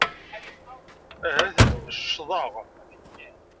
Ahat cceḍeɣ.